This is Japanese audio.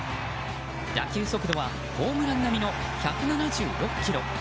打球速度はホームラン並みの１７６キロ。